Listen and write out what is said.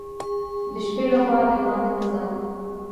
د شپې له خوا دباندي مه ځه !